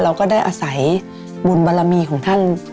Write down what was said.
เราก็ได้อาศัยบุญบารมีของท่าน